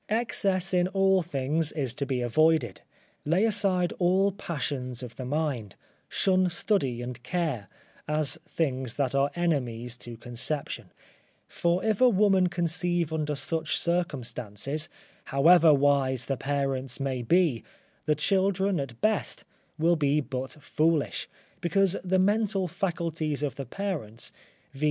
Excess in all things is to be avoided. Lay aside all passions of the mind, shun study and care, as things that are enemies to conception, for if a woman conceive under such circumstances, however wise the parents may be, the children, at best, will be but foolish; because the mental faculties of the parents, viz.